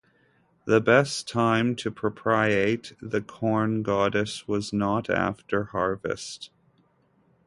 The best time to propitiate the Corn Goddess was not after harvest.